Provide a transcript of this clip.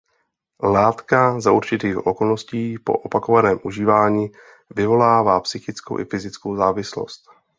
Látka za určitých okolností po opakovaném užívání vyvolává psychickou i fyzickou závislost.